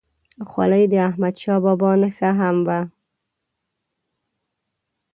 خولۍ د احمدشاه بابا نښه هم وه.